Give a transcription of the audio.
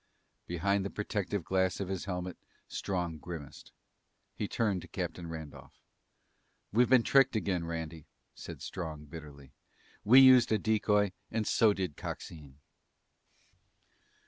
Behind the protective glass of his helmet, Strong grimaced. He turned to Captain Randolph. "We've been tricked again, Randy," said Strong bitterly. "We used a decoy and so did Coxine!"